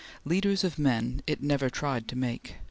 Leaders of men it never tried to make.